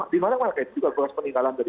di mana mereka juga berhasil meninggalan dari